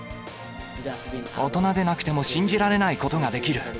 大人でなくても信じられないことができる。